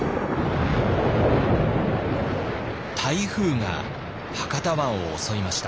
台風が博多湾を襲いました。